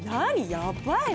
やばいな。